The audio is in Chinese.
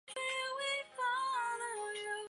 另一方面另行谋职